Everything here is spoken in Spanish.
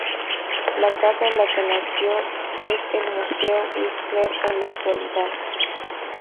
La casa en la que nació es el Museo Whistler en la actualidad.